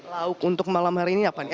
lauk untuk malam hari ini apa nih